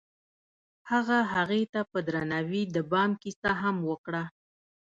هغه هغې ته په درناوي د بام کیسه هم وکړه.